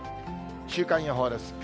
週間予報です。